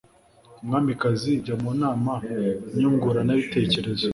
umwamikazi, jya mu nama nyunguranabitekerezo